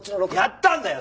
やったんだよ！